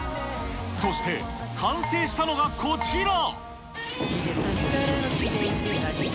そして完成したのがこちら。